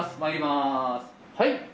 はい！